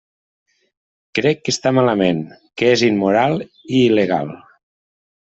Crec que està malament, que és immoral i il·legal.